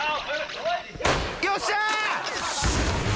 よっしゃ！